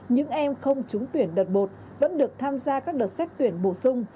những em không trúng tuyển đợt một vẫn được tham gia các đợt xét tuyển bổ sung